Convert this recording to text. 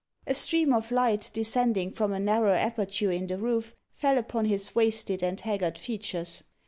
A stream of light, descending from a narrow aperture in the roof, fell upon his wasted and haggard features.